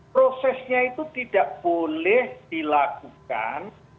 prosesnya itu tidak boleh dilakukan